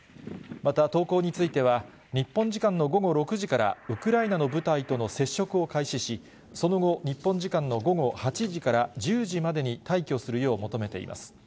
また投降については、日本時間の午後６時からウクライナの部隊との接触を開始し、その後、日本時間の午後８時から１０時までに退去するよう求めています。